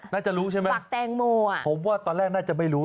น่าจะรู้ใช่ไหมจากแตงโมอ่ะผมว่าตอนแรกน่าจะไม่รู้